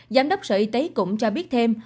giám đốc sở y tế cũng cho biết thêm